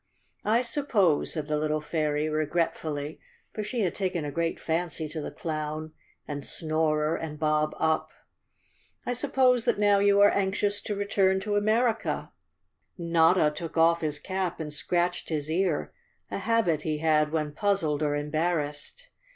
"I suppose," said the little fairy regretfully, for she had taken a great fancy to the clown and Suorer and 287 The Cowardly Lion of Oz _ Bob Up, "I suppose that now you are anxious to re¬ turn to America." Notta took off his cap and scratched his ear, a habit he had when puzzled or embarrassed.